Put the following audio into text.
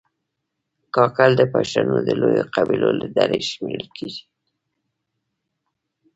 کاکړ د پښتنو د لویو قبیلو له ډلې شمېرل کېږي.